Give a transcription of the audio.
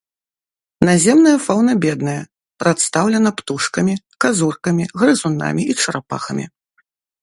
Наземная фаўна бедная, прадстаўлена птушкамі, казуркамі, грызунамі і чарапахамі.